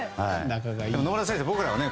野村さん、僕らはね。